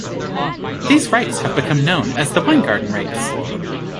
These rights have become known as the Weingarten Rights.